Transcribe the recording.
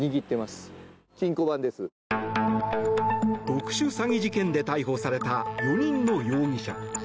特殊詐欺事件で逮捕された４人の容疑者。